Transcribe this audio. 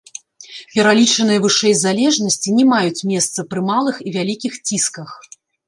Пералічаныя вышэй залежнасці не маюць месца пры малых і вялікіх цісках.